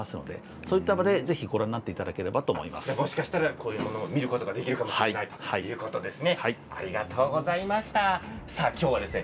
そういった場でぜひご覧になっていただけたらともしかしたら見ることができるかもしれないということですね。